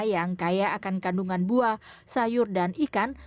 yang kaya akan kandungan buah sayur dan ikan